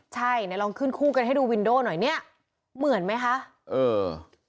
ใช่เนี่ยลองขึ้นคู่กันให้ดูวินโดหน่อยเนี้ยเหมือนไหมคะเออ